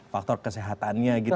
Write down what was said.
faktor kesehatannya gitu ya